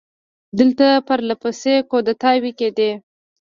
دلته پر له پسې کودتاوې کېدې.